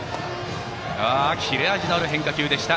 切れ味のある変化球でした。